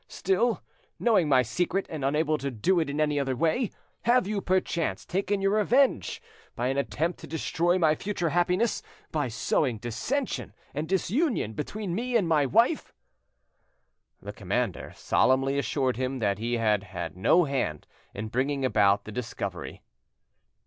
Still, knowing my secret and unable to do it in any other way, have you perchance taken your revenge by an attempt to destroy my future happiness by sowing dissension and disunion between me and my wife?" The commander solemnly assured him that he had had no hand in bringing about the discovery.